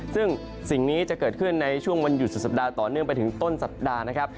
ซึ่งสิ่งนี้จะเกิดขึ้นในช่วงวันหยุดสุดสัปดาห์ต่อเนื่องไปถึงต้นสัปดาห์นะครับ